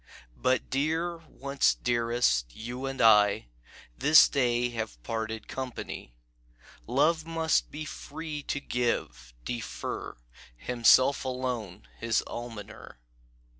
"But, dear, once dearest, you and I This day have parted company. Love must be free to give, defer, Himself alone his almoner.